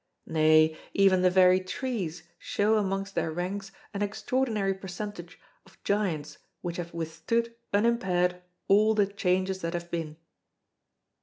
Nay, even the very trees show amongst their ranks an extraordinary percentage of giants which have withstood unimpaired all the changes that have been.